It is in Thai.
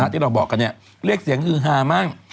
ที่เราบอกกันเรียกเสียงฮือฮามั่ง